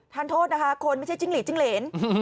ท่านโทษนะคะคนไม่ใช่จิ้งหลีดจิ้งเหรน